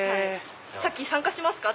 さっき参加しますか？